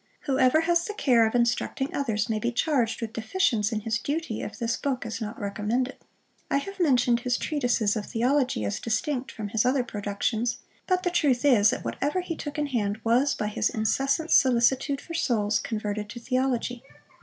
Whoever has the care of instructing others, may be charged with deficience in his duty if this book is not recommended. I have mentioned his treatises of Theology as distinct from his other productions: but the truth is, that whatever he took in hand was, by his incessant solicitude for souls, converted to Theology.